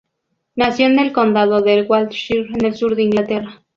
Nació en en el condado del Wiltshire en el sur de Inglaterra.